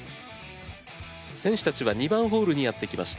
選手たちは２番ホールにやってきました。